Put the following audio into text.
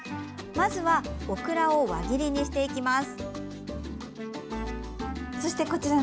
まずは、オクラを輪切りにしていきます。